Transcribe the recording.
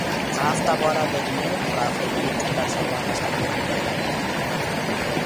ከአፍታ በኋላ ደግሞ ፍራፍሬ እና ቀላል ሾርባ ማስከተል ይበረታታል።